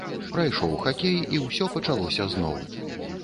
Прайшоў хакей, і ўсё пачалося зноў.